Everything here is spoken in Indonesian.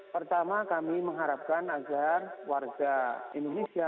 pertama kami mengharapkan agar warga indonesia